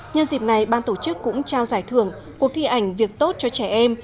nhân dịp này ban tổ chức cũng trao giải thưởng cuộc thi ảnh việc tốt cho trẻ em